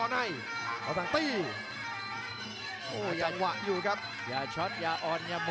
จังหวาดึงซ้ายตายังดีอยู่ครับเพชรมงคล